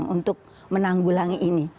untuk menanggulangi ini